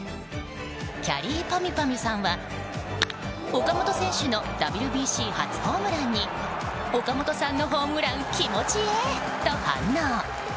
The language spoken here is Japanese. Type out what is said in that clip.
きゃりーぱみゅぱみゅさんは岡本選手のＷＢＣ初ホームランに岡本さんのホームラン気持ちえと反応。